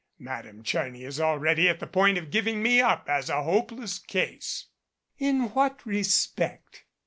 Madame Tcherny is already at the point of giving me up as a hope less case." "In what respect?"